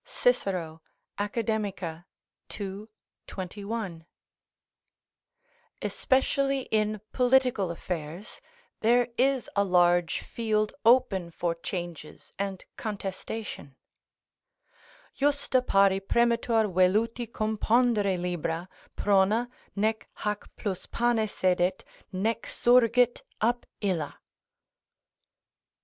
Cicero, Acad., ii. 21.] especially in political affairs, there is a large field open for changes and contestation: "Justa pari premitur veluti cum pondere libra, Prona, nec hac plus pane sedet, nec surgit ab illa."